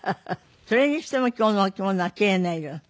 それにしても今日のお着物はキレイな色。